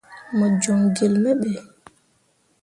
Mo joŋ gelle me ɓe.